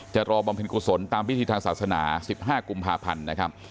จะรอบำเพ็ญกุศลตามพิธีทางศาสนา๑๕กุมภาพันธ์นะครับ